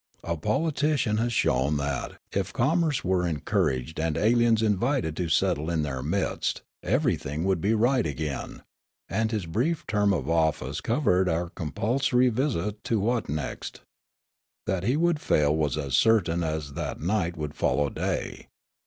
A poli tician had shown that, if commerce were encouraged and aliens invited to settle in their midst, everything would be right again ; and his brief term of oflEice covered our compulsory visit to Wotnekst. That he would fail was as certain as that night would follow day.